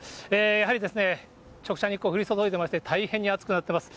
やはりですね、直射日光、降り注いでいまして、大変に暑くなってます。